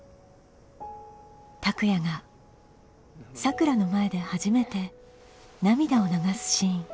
拓哉が咲良の前で初めて涙を流すシーン。